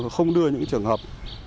không đưa những trường hợp